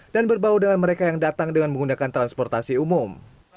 dan berbau dengan mereka yang datang dengan menggunakan transportasi umum